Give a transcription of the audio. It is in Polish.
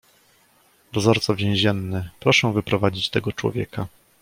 "Dozorco więzienny, proszę wyprowadzić tego człowieka."